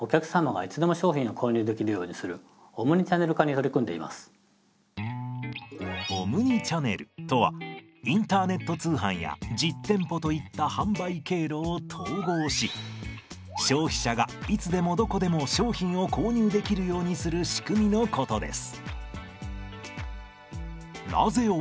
こちらの店ではオムニチャネルとはインターネット通販や実店舗といった販売経路を統合し消費者がいつでもどこでも商品を購入できるようにする仕組みのことです。